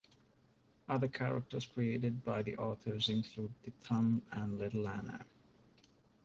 Other characters created by the authors include The Thumb and Little Anna.